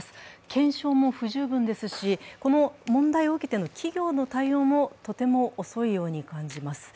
検証も不十分ですし、この問題を受けての企業の対応もとても遅いように感じます。